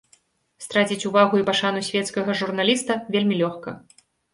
Страціць увагу і пашану свецкага журналіста вельмі лёгка.